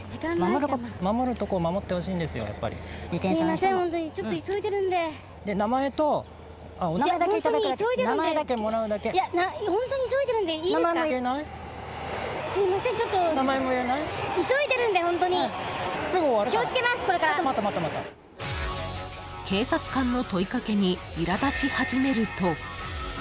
［しかし］［警察官の問い掛けにいら立ち始めると］